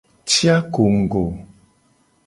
Ci akongugo.